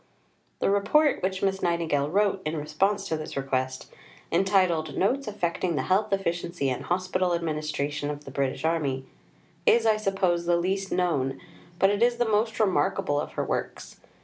The Report which Miss Nightingale wrote in response to this request entitled Notes affecting the Health, Efficiency, and Hospital Administration of the British Army is, I suppose, the least known, but it is the most remarkable, of her works.